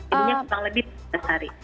jadinya kurang lebih satu hari